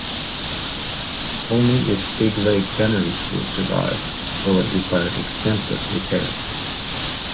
Only its Big Lake Gunnery School survived, though it required extensive repairs.